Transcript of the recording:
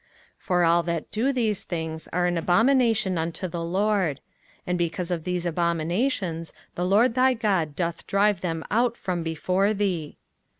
05:018:012 For all that do these things are an abomination unto the LORD: and because of these abominations the LORD thy God doth drive them out from before thee.